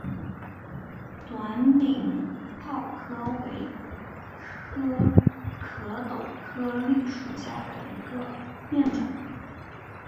短柄枹栎为壳斗科栎属下的一个变种。